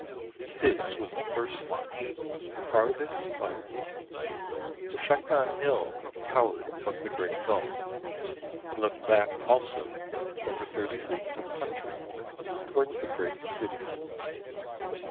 HIS was the first watch, the farthest fire, for Shak non Hill towered above the great gulf, and looked back also over thirty leagues of country towards the great city.